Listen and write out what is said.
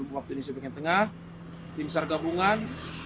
delapan belas empat puluh delapan waktu indonesia pengen tengah tim sargabungan